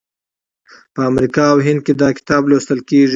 په امریکا او هند کې دا کتاب لوستل کیږي.